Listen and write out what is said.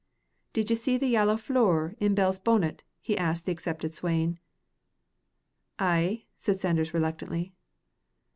"Did ye see the yallow floor in Bell's bonnet?" asked the accepted swain. "Ay," said Sanders, reluctantly.